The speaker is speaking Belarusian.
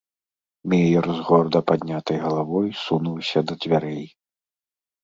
Меер з горда паднятай галавой сунуўся да дзвярэй.